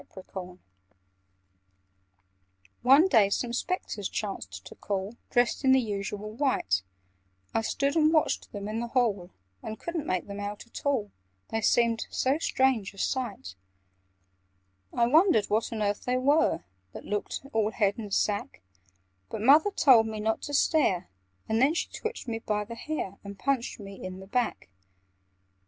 [Picture: I stood and watched them in the hall] "One day, some Spectres chanced to call, Dressed in the usual white: I stood and watched them in the hall, And couldn't make them out at all, They seemed so strange a sight. "I wondered what on earth they were, That looked all head and sack; But Mother told me not to stare, And then she twitched me by the hair, And punched me in the back.